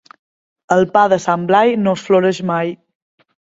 El pa de sant Blai no es floreix mai.